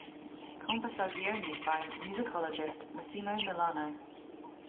Conversazioni by musicologist Massimo Milano.